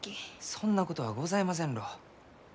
そんなことはございませんろう。